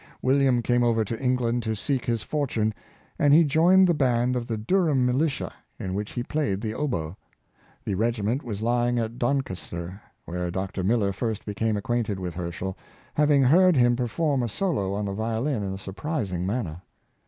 William came over to England to seek his fortune, and he joined the band of the Durham Militia, in which he played the oboe. The regiment was lying at Doncaster, where Dr. Miller first became acquainted with Herschel, having heard him perform a solo on the violin in a surprising manner.